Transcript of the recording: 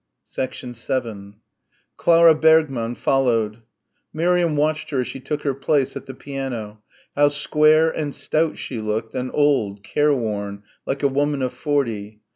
7 Clara Bergmann followed. Miriam watched her as she took her place at the piano how square and stout she looked and old, careworn, like a woman of forty.